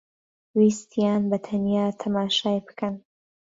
ویستیان بەتەنیا تەماشای بکەن